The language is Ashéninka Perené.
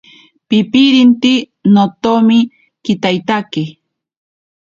Pipirinte notomi kitaitake.